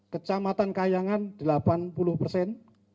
kecamatan kayangan delapan puluh persen